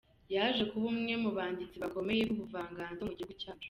Yaje kuba umwe mu banditsi bakomeye b’ubuvanganzo mu gihugu cyacu.